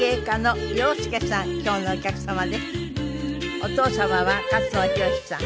お父様は勝野洋さん